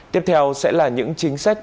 tiếp theo sẽ là những chính sách